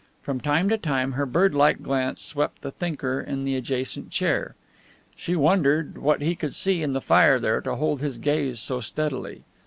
From time to time her bird like glance swept the thinker in the adjacent chair. She wondered what he could see in the fire there to hold his gaze so steadily.